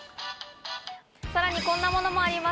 さらにこんなものもあります。